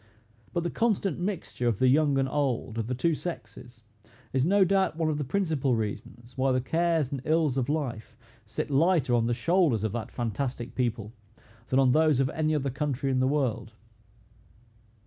But the constant mixture of the young and old, of the two sexes, is no doubt one of the principal reasons why the cares and ills of life sit lighter on the shoulders of that fantastic people, than on those of any other country in the world.